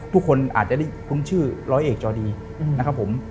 ทุกคนอาจจะได้คุ้นชื่อร้อยเอกจอดีนะครับผม